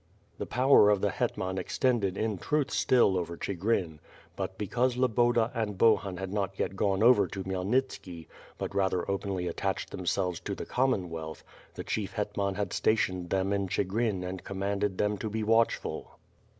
• The power of the hetman extended in truth still over Chi grin, but, because Loboda and Bohun had not yet gone over to Khmyelnitski but rather openly attached themselves to the Commonwealth, the Chief Hetman had stationed them in Chigrin and commanded them to be watchful.